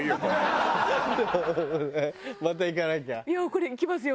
これ行きますよ